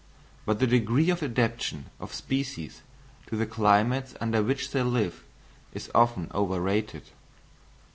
But the degree of adaptation of species to the climates under which they live is often overrated.